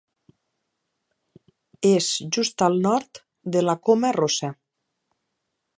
És just al nord de la Coma Rossa.